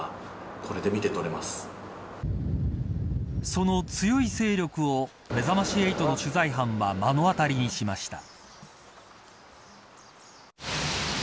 その強い勢力をめざまし８の取材班は目の当りにしました。